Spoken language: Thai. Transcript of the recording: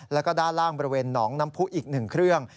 แล้วก็ด้านล่างบริเวณหนองน้ำผู้อีก๑เครื่อง